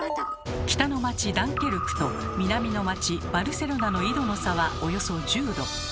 北の町ダンケルクと南の町バルセロナの緯度の差はおよそ１０度。